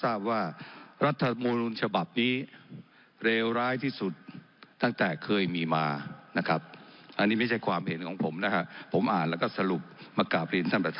รันตรีรันตรีรันตรีรันตรีรันตรีรันตรีรันตรีรันตรีรันตรีรันตรีรันตรีรันตรีรันตรี